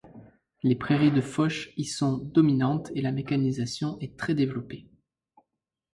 Les prairies de fauche y sont dominantes et la mécanisation est très développée.